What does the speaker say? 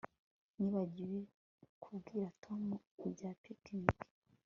Nibagiwe kubwira Tom ibya picnic